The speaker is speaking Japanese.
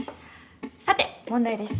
さて問題です！